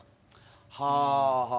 はあはあ。